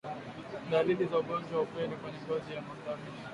Dalili za ugonjwa wa upele kwenye ngozi ya ngamia